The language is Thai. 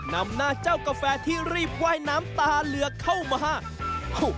นำหน้าเจ้ากาแฟที่รีบว่ายน้ำตาเหลือเข้ามา